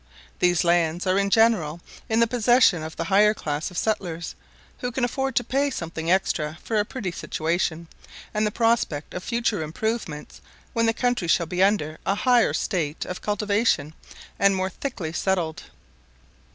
These lands are in general in the possession of the higher class of settlers, who can afford to pay something extra for a pretty situation, and the prospect of future improvements when the country shall be under a higher state of cultivation and more thickly settled.